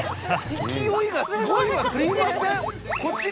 勢いがすごいわすいませんこっちに。